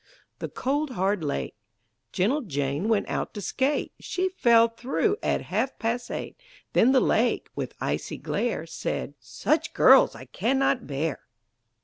THE COLD, HARD LAKE Gentle Jane went out to skate; She fell through at half past eight. Then the lake, with icy glare, Said, "Such girls I can not bear."